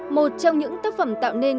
một trong những tác phẩm tạo nên